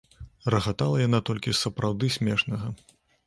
Рагатала яна толькі з сапраўды смешнага.